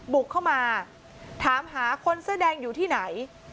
บุกเข้ามาถามหาคนเสื้อแดงอยู่ที่ไหน